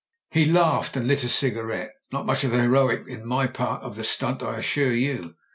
He laughed, and lit a cigarette. "Not much of the heroic in my part of the stunt, I assure you.